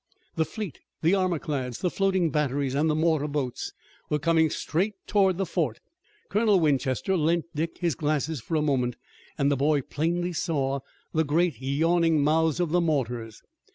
The fleet, the armor clads, the floating batteries, and the mortar boats, were coming straight toward the fort. Colonel Winchester lent Dick his glasses for a moment, and the boy plainly saw the great, yawning mouths of the mortars.